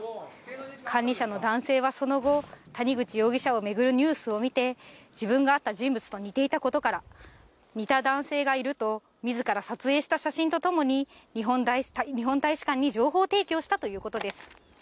管理者の男性はその後、谷口容疑者を巡るニュースを見て、自分が会った人物と似ていたことから、似た男性がいると、みずから撮影した写真とともに、日本大使館に情報提供したということです。